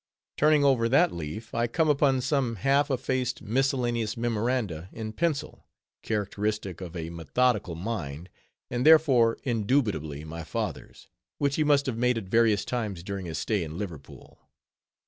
Turning over that leaf, I come upon some half effaced miscellaneous memoranda in pencil, characteristic of a methodical mind, and therefore indubitably my father's, which he must have made at various times during his stay in Liverpool.